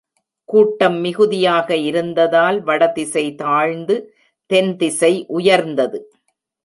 கூட்டம் மிகுதியாக இருந்ததால் வட திசை தாழ்ந்து, தென் திசை உயர்ந்தது.